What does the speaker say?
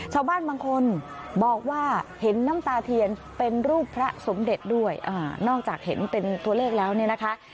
ชาวบ้านบางคนบอกว่าเห็นน้ำตาเทียนเป็นรูปพระสมเด็จด้วยนอกจากเห็นเป็นตัวเลขแล้วเนี่ยนะคะ